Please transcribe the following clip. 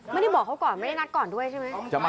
ไม่ได้บอกเขาก่อนไม่ได้นัดก่อนด้วยใช่ไหม